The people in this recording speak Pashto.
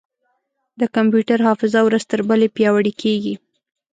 د کمپیوټر حافظه ورځ تر بلې پیاوړې کېږي.